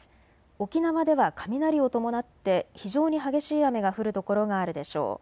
沖縄では雷を伴って非常に激しい雨が降る所があるでしょう。